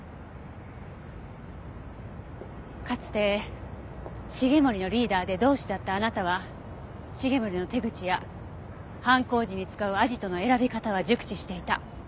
かつて繁森のリーダーで同志だったあなたは繁森の手口や犯行時に使うアジトの選び方は熟知していた。